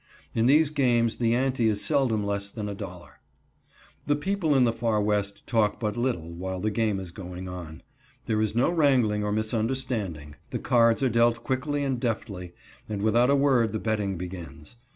In these games the ante is seldom less than $1.00. The people in the Far West talk but little while the game is going on. There is no wrangling or misunderstanding. The cards are dealt quickly and deftly, and without a word the betting begins.